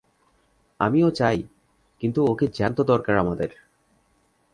আমিও চাই, কিন্তু ওকে জ্যান্ত দরকার আমাদের।